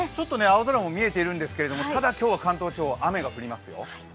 青空も見えてきているんですけどただ今日は関東地方雨が降りますよ。